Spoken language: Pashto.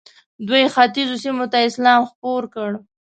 دوی ختیځو سیمو ته اسلام خپور کړ.